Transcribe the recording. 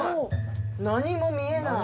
何も見えない」